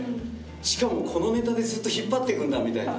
しかもこのネタでずっと引っ張っていくんだみたいな。